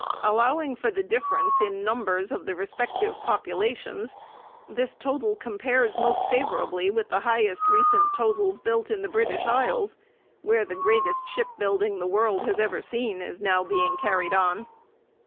Allowing for the difference in numbers of the respective populations, this total compares most favourably with the highest recent totals built in the British Isles, where the greatest shipbuilding the world has ever seen is now being carried on.